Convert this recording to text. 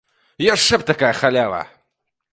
Яшчэ б такая халява!